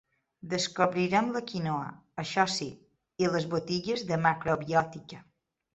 Descobrirem la quinoa, això sí, i les botigues de macrobiòtica.